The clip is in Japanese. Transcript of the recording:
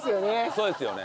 そうですよね。